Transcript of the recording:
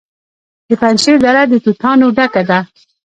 د پنجشیر دره د توتانو ډکه ده.